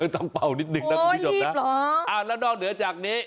ต้องเป่านิดหนึ่งนะครับที่สุดนะโอ้รีบเหรออ่าแล้วนอกเหนือจากนี้